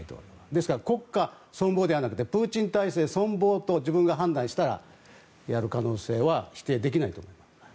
ですから、国家存亡ではなくプーチン体制存亡と自分が判断したら、やる可能性は否定できないと思います。